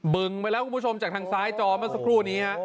ึงไปแล้วคุณผู้ชมจากทางซ้ายจอเมื่อสักครู่นี้ฮะ